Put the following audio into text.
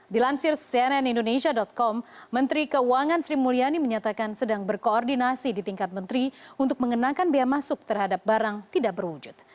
dilansir cnn indonesia com menteri keuangan sri mulyani menyatakan sedang berkoordinasi di tingkat menteri untuk mengenakan biaya masuk terhadap barang tidak berwujud